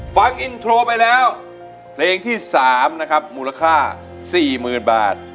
ฟังอินโทรไปแล้วเพลงที่๓นะครับมูลค่า๔๐๐๐บาท